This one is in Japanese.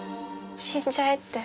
死んじゃえって。